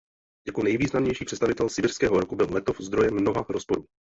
Jako nejvýznamnější představitel sibiřského rocku byl Letov zdrojem mnoha rozporů.